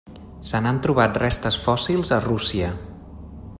Se n'han trobat restes fòssils a Rússia.